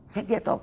saya dia toh